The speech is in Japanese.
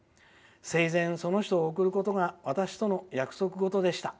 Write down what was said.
生前その人を送ることが私との約束事でした。